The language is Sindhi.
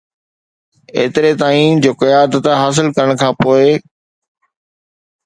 ايتري تائين جو قيادت حاصل ڪرڻ کان پوء